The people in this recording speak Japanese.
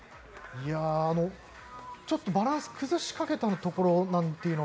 ちょっとバランスを崩しかけたところなんて